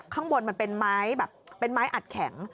ข้างบนมันเป็นไม้แบบเป็นไม้อัดแข็ง